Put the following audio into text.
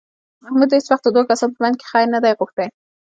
محمود هېڅ وخت د دوو کسانو په منځ کې خیر نه دی غوښتی